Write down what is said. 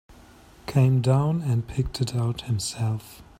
Came down and picked it out himself.